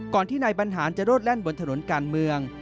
ที่นายบรรหารจะโรดแล่นบนถนนการเมือง